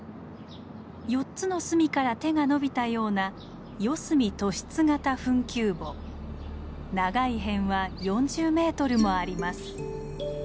４つの隅から手が伸びたような長い辺は４０ｍもあります。